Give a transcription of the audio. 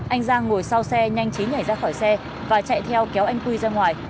anh giang ngồi sau xe nhanh chí nhảy ra khỏi xe và chạy theo kéo anh quy ra ngoài